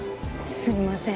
すみません。